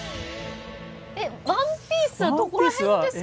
で「ワンピース」はどこら辺ですか？